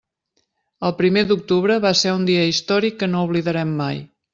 El primer d'octubre va ser un dia històric que no oblidarem mai.